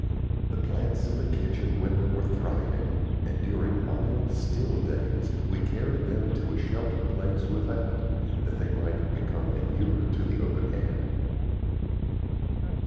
The plants in the kitchen window were thriving, and during mild, still days we carried them to a sheltered place without, that they might become inured to the open air.